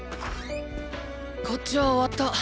こっちは終わった。